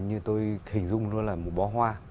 như tôi hình dung luôn là một bó hoa